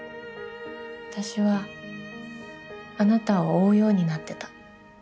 私はあなたを追うようになってた。